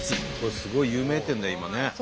すごい有名店だよ今ね。